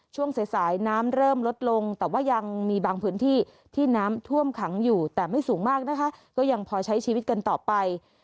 ช่วงสายสายน้ำเริ่มลดลงแต่ว่ายังมีบางพื้นที่ที่น้ำท่วมขังอยู่แต่ไม่สูงมากนะคะก็ยังพอใช้ชีวิตกันต่อไป